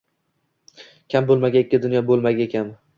Kam bo‘lmagay ikki dunyo, bo‘lmagay kam.